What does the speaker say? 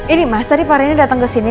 ini mas tadi pak reni datang ke sini